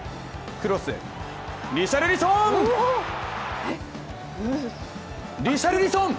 クロス、リシャルリソン！